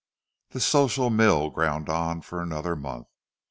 The social mill ground on for another month.